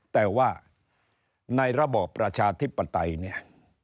แต่ว่าในระบอบประชาธิปไตยเนี่ย